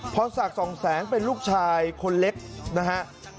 พรศักดิ์สองแสงเป็นลูกชายคนเล็กนะฮะ